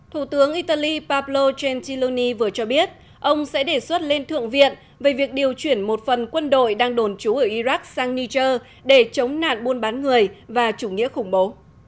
thủ tướng italy paplo gentiloni vừa cho biết ông sẽ đề xuất lên thượng viện về việc điều chuyển một phần quân đội đang đồn trú ở iraq sang nicher để chống nạn buôn bán người và chủ nghĩa khủng bố